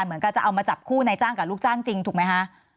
เหมือนกับจะเอามาจับคู่ในจ้างกับลูกจ้างจริงถูกไหมคะ